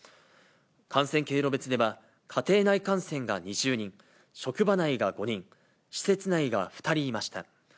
感染経路別では、家庭内感染が２０人、職場内が５人、施設内が２人いました。